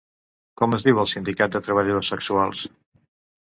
Com es diu el sindicat de treballadores sexuals?